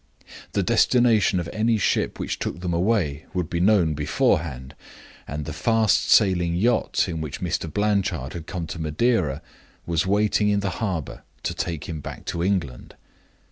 The destination of any ship which took them away would be known beforehand; and the fast sailing yacht in which Mr. Blanchard had come to Madeira was waiting in the harbor to take him back to England.